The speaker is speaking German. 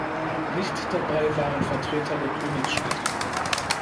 Nicht dabei waren Vertreter der Königsstädte.